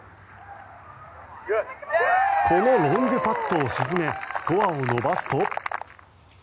このロングパットを沈めスコアを伸ばすと。